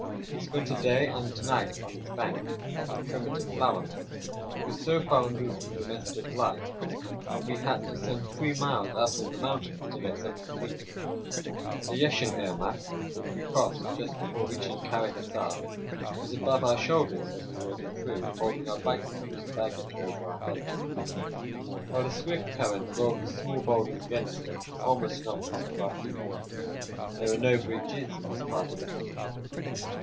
We spent a day and night on its bank, in a primitive flour mill, which was so far removed from domestic life that we had to send three miles up in the mountains to get something to eat. The Yeshil Irmak, which we crossed just before reaching Kara Hissar, was above our shoulders as we waded through, holding our bicycles and baggage over our heads; while the swift current rolled the small boulders against us, and almost knocked us off our feet. There were no bridges in this part of the country.